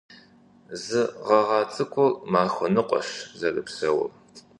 Зы гъэгъа цӀыкӀур махуэ ныкъуэщ зэрыпсэур.